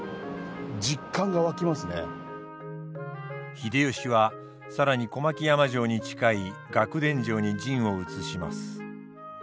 秀吉は更に小牧山城に近い楽田城に陣を移します。